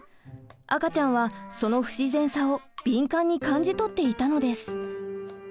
赤ちゃんはその不自然さを敏感に感じ取っていたのです。